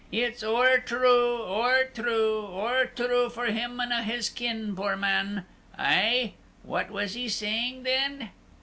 It's ower true, ower true, ower true for him an' a' his kin, poor man! Aih? What was he saying then?"